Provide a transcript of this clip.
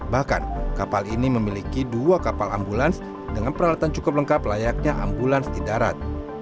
bahkan kapal ini memiliki dua kapal ambulans dengan peralatan cukup lengkap layaknya ambulans di darat